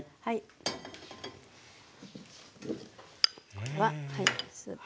これははいスープ。